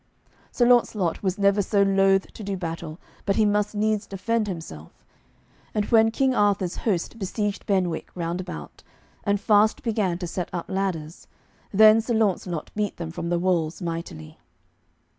Sir Launcelot was never so loath to do battle, but he must needs defend himself; and when King Arthur's host besieged Benwick round about, and fast began to set up ladders, then Sir Launcelot beat them from the walls mightily.